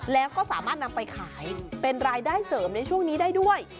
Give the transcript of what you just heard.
แล้วก็สามารถนำไปขายเป็นรายได้เสริมในช่วงนี้ได้ด้วย